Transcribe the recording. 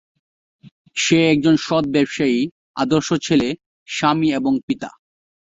সে একজন সৎ ব্যবসায়ী, আদর্শ ছেলে, স্বামী এবং পিতা।